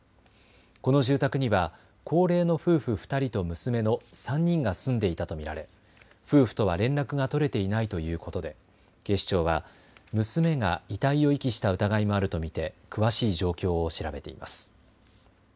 この住宅には高齢の夫婦２人と娘の３人が住んでいたと見られ夫婦とは連絡が取れていないということで警視庁は娘が遺体を遺棄した疑いもあると見て詳しい状況を調べています。